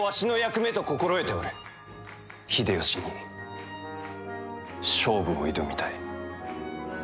秀吉に勝負を挑みたい。